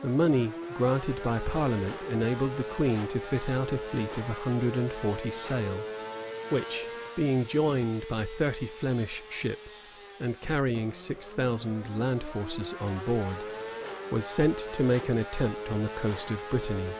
The money granted by parliament enabled the queen to fit out a fleet of a hundred and forty sail, which, being joined by thirty Flemish ships, and carrying six thousand land forces on board, was sent to make an attempt on the coast of Brittany.